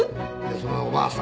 そのおばあさん